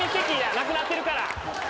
なくなってるから。